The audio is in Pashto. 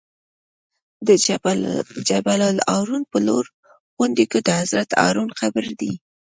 د جبل الهارون په لوړو غونډیو کې د حضرت هارون قبر دی.